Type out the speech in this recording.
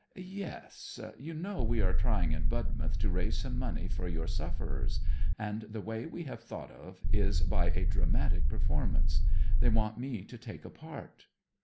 'Yes. You know we are trying in Budmouth to raise some money for your sufferers; and the way we have thought of is by a dramatic performance. They want me to take a part.'